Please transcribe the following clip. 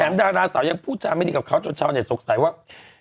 แถมดาราเสายังพูดจำไม่ดีกับเขาจนเฉาะสงสัยว่า